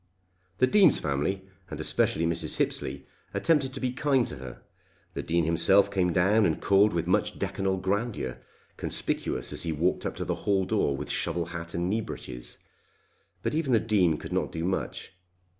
The Dean's family, and especially Mrs. Hippesley, attempted to be kind to her. The Dean himself came down and called with much decanal grandeur, conspicuous as he walked up to the Hall door with shovel hat and knee breeches. But even the Dean could not do much.